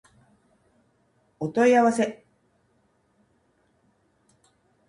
お問い合わせ